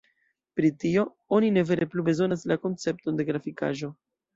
Pri tio oni ne vere plu bezonas la koncepton de grafikaĵo.